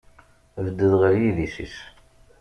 Bded ɣer yidis-is.